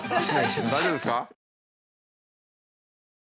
大丈夫ですか？